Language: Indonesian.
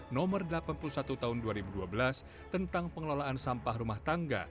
nomor delapan puluh satu tahun dua ribu dua belas tentang pengelolaan sampah rumah tangga